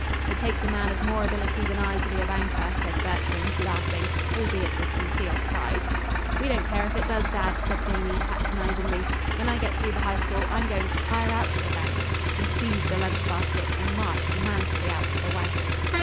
"It takes a man of more ability than I to be a banker," said Bertrand, laughing, albeit with concealed pride. "We don't care if it does, Dad," said Jamie, patronizingly. "When I get through the high school, I'm going to hire out to the bank." He seized the lunch basket and marched manfully out to the wagon.